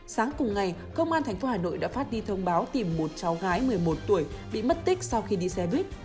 sáng cùng ngày công an tp hà nội đã phát đi thông báo tìm một cháu gái một mươi một tuổi bị mất tích sau khi đi xe buýt